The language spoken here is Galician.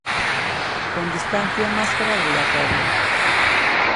Con distancia e máscara obrigatoria.